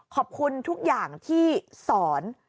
ขอบคุณทุกอย่างที่สอน